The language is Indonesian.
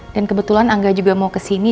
dan kebetulan angga juga mau kesini